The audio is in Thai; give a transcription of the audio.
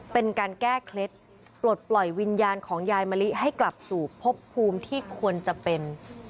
เป็นการแก้เคล็ดปลดปล่อยวิญญาณของยายมะลิให้กลับสู่พบภูมิที่ควรจะเป็น